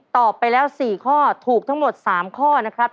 ตอบไปแล้ว๔ข้อถูกทั้งหมด๓ข้อนะครับ